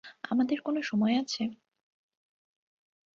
আমাদের কোনো সময় আছে।